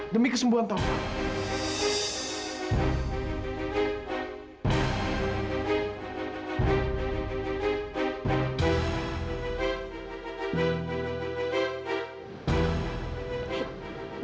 demi kesembuhan tovan